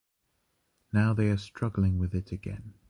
Now they are struggling with it again.